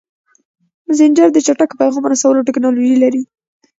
مسېنجر د چټک پیغام رسولو ټکنالوژي لري.